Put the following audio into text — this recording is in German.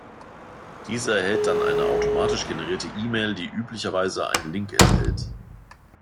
Dieser erhält dann eine automatisch generierte E-Mail, die üblicherweise einen Link enthält.